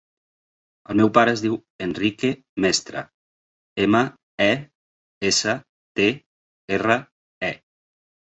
El meu pare es diu Enrique Mestre: ema, e, essa, te, erra, e.